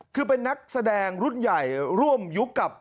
คือเป็นนักแสดงรุ่นใหญ่ร่วมยุคกับ